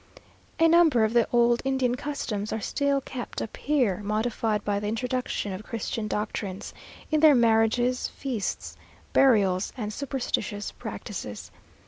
A number of the old Indian customs are still kept up here, modified by the introduction of Christian doctrines, in their marriages, feasts, burials, and superstitious practices.